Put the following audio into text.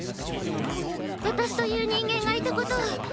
私という人間がいたことを。